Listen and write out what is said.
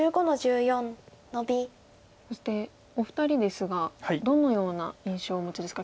そしてお二人ですがどのような印象をお持ちですか？